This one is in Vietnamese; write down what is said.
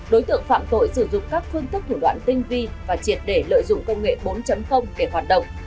đối tượng phạm tội sử dụng các phương thức thủ đoạn tinh vi và triệt để lợi dụng công nghệ bốn để hoạt động